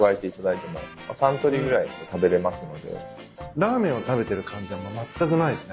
ラーメンを食べてる感じはまったくないですね